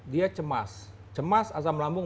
dia cemas cemas asam lambung